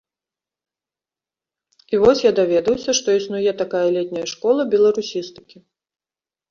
І вось я даведаўся, што існуе такая летняя школа беларусістыкі.